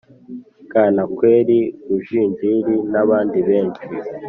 Bwanakweli, Rujindiri nabandi benshi